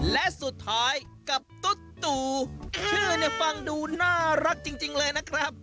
และสุดท้ายกับตุ๊ดตู่ชื่อเนี่ยฟังดูน่ารักจริงเลยนะครับ